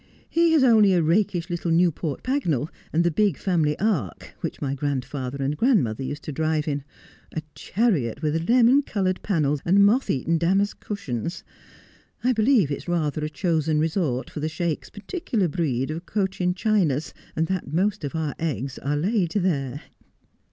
He has only a rakish little Newport Pagnell, and the big family ark, which my grandfather and grandmother used to drive in — a chariot with lemon coloured panels, and moth eaten damask cushions. I believe it's rather a chosen resort for the Sheik's particular breed of cochin chinas, and that most of our eggs are laid there.'